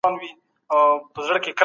ژوند امانت دی.